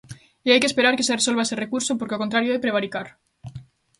E hai que esperar que se resolva ese recurso porque o contrario é prevaricar.